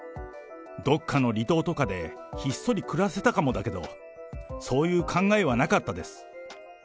どっかの離島とかでひっそり暮らせたかもだけど、そういう考えはなかったです。